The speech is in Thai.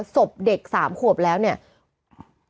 ศพเด็ก๓ขวบแล้วเนี่ย